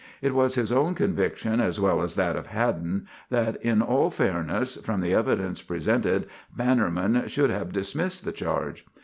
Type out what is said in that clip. It was his own conviction, as well as that of Haddon, that in all fairness, from the evidence presented, Bannerman should have dismissed the charge.